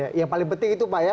ya yang paling penting itu pak ya